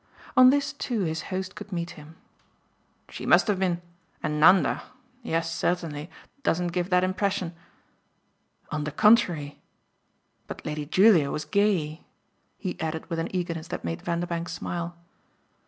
On this too his host could meet him. "She must have been. And Nanda yes, certainly doesn't give that impression." "On the contrary. But Lady Julia was gay!" he added with an eagerness that made Vanderbank smile.